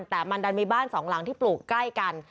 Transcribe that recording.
แต่มันดันมีบ้านสองหลังที่ปลูกใกล้กัน